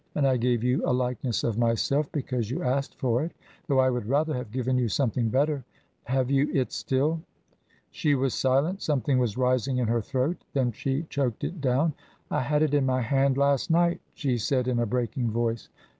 And I gave you a likeness of myself, because you asked for it, though I would rather have given you something better. Have you it still?" She was silent. Something was rising in her throat. Then she choked it down. "I had it in my hand last night," she said in a breaking voice.